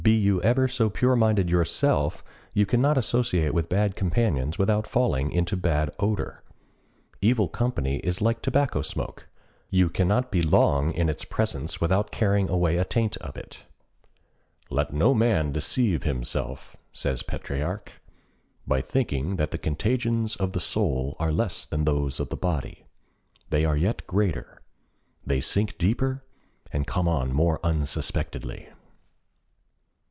Be you ever so pure minded yourself you can not associate with bad companions without falling into bad odor. Evil company is like tobacco smoke—you can not be long in its presence without carrying away a taint of it. "Let no man deceive himself," says Petrarch, "by thinking that the contagions of the soul are less than those of the body. They are yet greater; they sink deeper and come on more unsuspectedly."